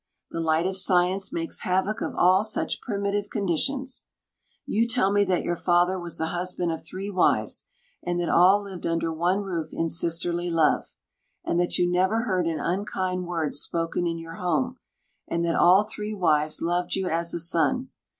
The light of science makes havoc of all such primitive conditions. You tell me that your father was the husband of three wives, and that all lived under one roof in sisterly love, and that you never heard an unkind word spoken in your home, and that all three wives loved you as a son.